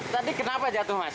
tadi kenapa jatuh mas